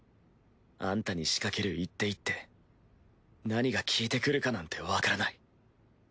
アンタに仕掛ける一手一手何が効いてくるかなんてわからない。